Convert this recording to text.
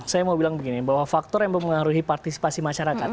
saya mau bilang begini bahwa faktor yang mempengaruhi partisipasi masyarakat